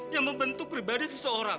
yang membentuk pribadi seseorang